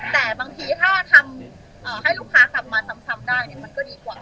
แต่บางทีถ้าทำให้ลูกค้าขับมาซ้ำได้มันก็ดีกว่า